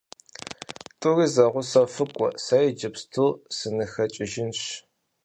ТӀури зэгъусэу фыкӀуэ, сэри иджыпсту сыныхэкӀыжынщ.